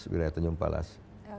wilayah tanjung palas